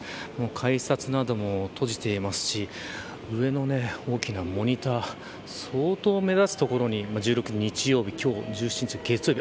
改札なども閉じていますし上の大きなモニター相当、目立つ所に１６日日曜日、今日１７日の月曜日